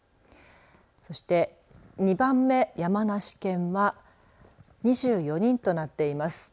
そして２番目、山梨県は２４人となっています。